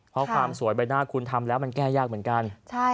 เพราะความสวยใบหน้าคุณทำแล้วมันแก้ยากเหมือนกัน